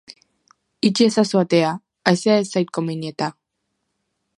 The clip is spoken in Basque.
Itxi ezazu atea, haizea ez zait komeni eta.